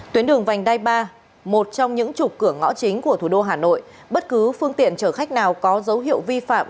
tuyến đường vành đai ba một trong những trục cửa ngõ chính của thủ đô hà nội bất cứ phương tiện chở khách nào có dấu hiệu vi phạm